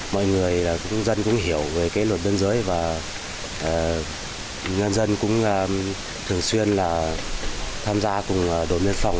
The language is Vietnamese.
mọi người cũng dân cũng hiểu về luật biên giới và nhân dân cũng thường xuyên là tham gia cùng đồn biên phòng